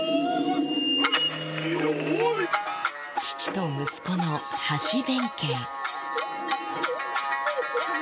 父と息子の橋弁慶。